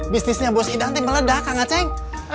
bisnisnya bos idan teng meledak kang acing